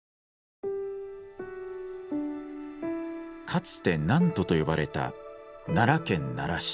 かつて南都と呼ばれた奈良県奈良市。